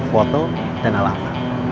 foto dan alamat